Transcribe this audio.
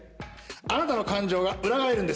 あなたの感情が裏返るんです。